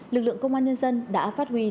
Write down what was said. lực lượng công an nhân dân đã phát huy truyền đạt